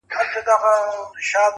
خواره سې مکاري، چي هم جنگ کوې، هم ژاړې.